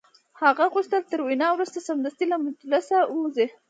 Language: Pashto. هغه غوښتل تر وینا وروسته سمدستي له مجلسه ووځي